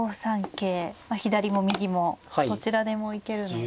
左も右もどちらでも行けるので。